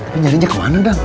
tapi nyarinya ke mana dadang